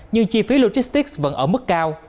nhưng chi phí logistics vẫn ở mức cao